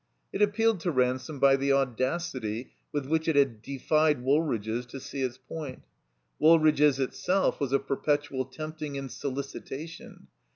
It appealed to Ransome by the audacity with which it had defied Woolridge's to see its point. Woolridge's itself was a perpetual tempting and solicitation.